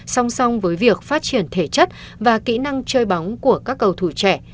song song với việc phát triển thể chất và kỹ năng chơi bóng của các cầu thủ trẻ